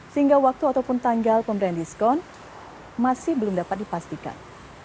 sehingga waktu ataupun tanggal pemberian diskon masih belum dapat dipastikan